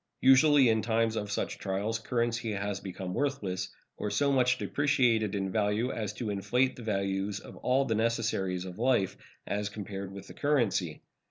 Usually in times of such trials currency has become worthless, or so much depreciated in value as to inflate the values of all the necessaries of life as compared with the currency.